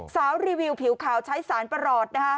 สาวรีวิวผิวขาวใช้สารประหลอดนะคะ